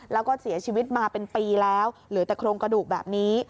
แล้วก็เสียชีวิตมาเป็นปีแล้วเหลือแต่โครงกระดูกแบบนี้